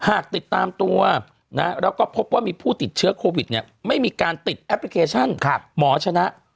หากติดตามตัวนะแล้วก็พบว่ามีผู้ติดเชื้อโควิดเนี่ยไม่มีการติดแอปพลิเคชันหมอชนะ